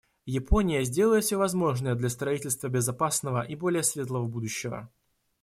Япония сделает все возможное для строительства безопасного и более светлого будущего.